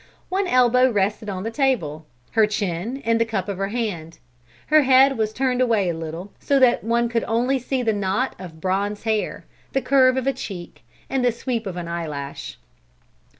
One elbow rested on the table; her chin in the cup of her hand. Her head was turned away a little so that one could see only the knot of bronze hair, the curve of a cheek, and the sweep of an eyelash.